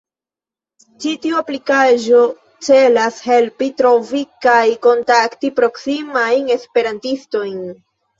Ĉi tiu aplikaĵo celas helpi trovi kaj kontakti proksimajn esperantistojn.